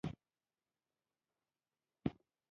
اجرائیه قوه قوانین اجرا کوي.